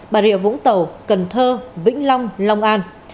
bà rịa vũng tàu cần thơ vĩnh long long an